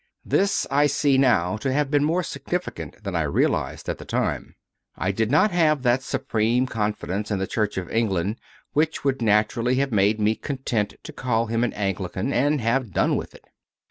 This I see now to have been more significant than I realized at the time: 8o CONFESSIONS OF A CONVERT I did not have that supreme confidence in the Church of England which would naturally have made me content to call him an Anglican and have done with it.